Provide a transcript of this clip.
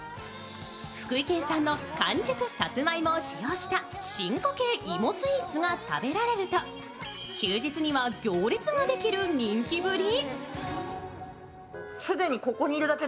福井県産の完熟さつまいもを使用した進化系芋スイーツが食べられると、休日には行列ができる人気ぶり。